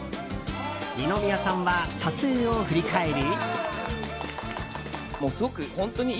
二宮さんは撮影を振り返り。